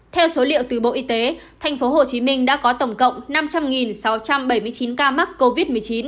theo số liệu từ bộ y tế tp hcm đã có tổng cộng năm trăm linh sáu trăm bảy mươi chín ca mắc covid một mươi chín